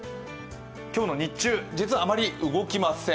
今日の日中実はあまり動きません。